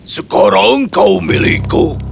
sekarang kau milikku